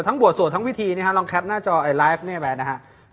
เล็กเล็กเล็กเล็กเล็กเล็กเล็กเล็กเล็กเล็กเล็กเล็กเล็กเล็กเล็ก